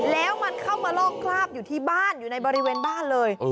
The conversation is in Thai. แล้วมันเข้ามาลอกคราบอยู่ที่บ้านอยู่ในบริเวณบ้านเลย